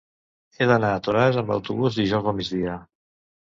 He d'anar a Toràs amb autobús dijous al migdia.